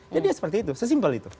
jadi ya seperti itu sesimpel itu